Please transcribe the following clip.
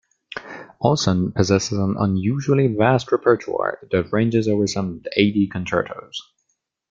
Ohlsson possesses an unusually vast repertoire that ranges over some eighty concertos.